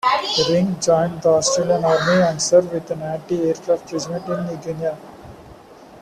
Ring joined the Australian Army and served with an anti-aircraft regiment in New Guinea.